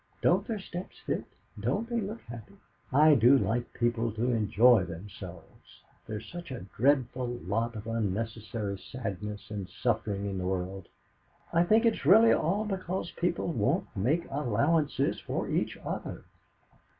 Don't their steps fit? Don't they look happy? I do like people to enjoy themselves! There is such a dreadful lot of unnecessary sadness and suffering in the world. I think it's really all because people won't make allowances for each other."